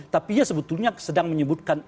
tapi ia sebetulnya sedang menyebutkan